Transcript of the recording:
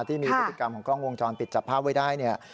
ที่มีพฤติกรรมของกล้องวงจรปิดจับภาพไว้ได้เนี่ย